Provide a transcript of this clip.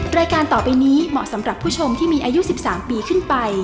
รายการต่อไปนี้เหมาะสำหรับผู้ชมที่มีอายุ๑๓ปีขึ้นไป